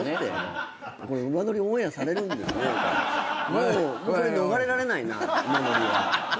もうこれ逃れられないな馬乗りは。